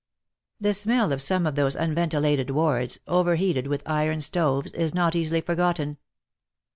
The smell of some of those unventilated wards, overheated with iron stoves, is not easily forgotten.